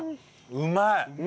うまい！